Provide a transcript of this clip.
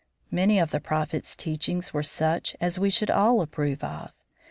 Many of the Prophet's teachings were such as we should all approve of.